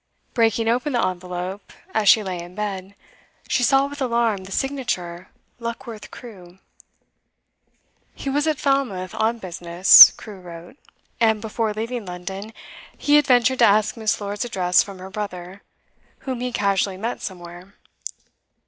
Breaking open the envelope as she lay in bed, she saw with alarm the signature 'Luckworth Crewe.' He was at Falmouth on business, Crewe wrote, and, before leaving London, he had ventured to ask Miss Lord's address from her brother, whom he casually met somewhere.